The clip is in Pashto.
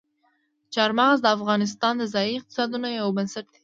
چار مغز د افغانستان د ځایي اقتصادونو یو بنسټ دی.